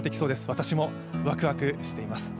私もワクワクしています。